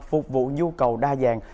phục vụ nhu cầu đa dạng